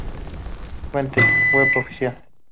Fuente: web oficial